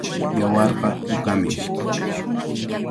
Yawarqa pukami.